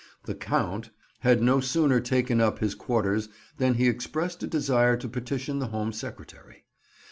The Count! had no sooner taken up his quarters than he expressed a desire to petition the Home Secretary.